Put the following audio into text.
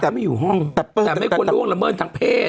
แต่ไม่ควรล้วงละเมินทางเพศ